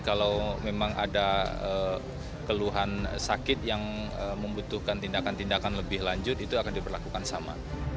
kalau memang ada keluhan sakit yang membutuhkan tindakan tindakan lebih lanjut itu akan diperlakukan sama